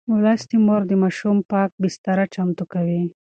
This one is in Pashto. لوستې مور د ماشوم پاک بستر چمتو کوي.